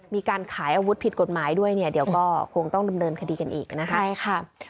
มีการขายอาวุธผิดกฎหมายด้วยเนี่ยเดี๋ยวก็คงต้องดำเนินคดีกันอีกนะคะใช่ค่ะ